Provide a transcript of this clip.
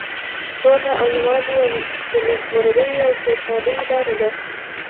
سوله او یووالی د نیکمرغۍ او سوکالۍ لاره ده.